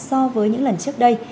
so với những lần trước đây